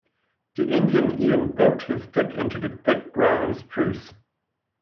The Indian even poked his stick into the thick ground spruce.